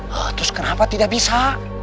lalu kenapa tidak bisa